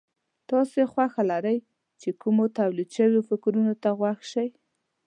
تاسې خوښه لرئ چې کومو توليد شوو فکرونو ته غوږ شئ.